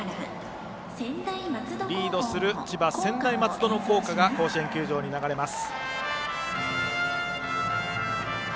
リードする千葉、専大松戸の校歌が甲子園球場に流れます。